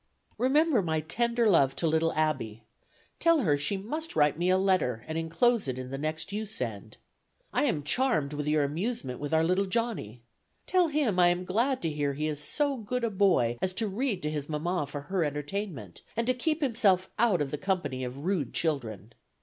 "Remember my tender love to little Abby; tell her she must write me a letter and inclose it in the next you send. I am charmed with your amusement with our little Johnny. Tell him I am glad to hear he is so good a boy as to read to his mamma for her entertainment, and to keep himself out of the company of rude children.